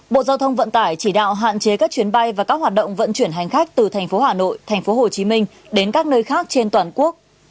bộ giao thông vận tải chỉ đạo hạn chế các chuyến bay và các hoạt động vận chuyển hành khách từ thành phố hà nội thành phố hồ chí minh đến các nơi khác trên toàn quốc